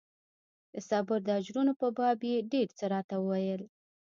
د صبر د اجرونو په باب يې ډېر څه راته وويل.